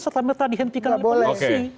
serta merta dihentikan oleh polisi